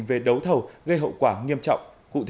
về đấu thầu gây hậu quả nghiêm trọng